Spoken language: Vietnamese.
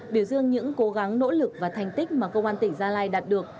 biểu dương những cố gắng nỗ lực và thành tích mà công an tỉnh gia lai đạt được